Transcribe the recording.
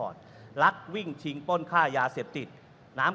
รักวิ่งจิงป้นค่ายาอาจเป็นแสดงเศรษฐกิจ